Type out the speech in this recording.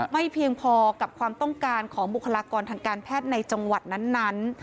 ไม่เพียงพอกับความต้องการของบุคลากรทางการแพทย์ในจังหวัดนั้น